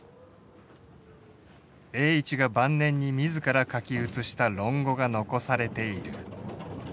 栄一が晩年に自ら書き写した「論語」が残されている。